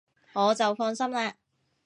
我就放心喇